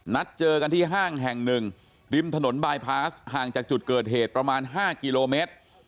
นัดเจอกันที่ห้างแห่งหนึ่งริมถนนบายพาสห่างจากจุดเกิดเหตุประมาณ๕กิโลเมตร